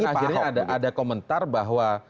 akhirnya ada komentar bahwa